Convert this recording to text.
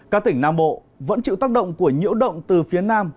các tỉnh nam bộ vẫn chịu tác động của nhiễu động từ phía nam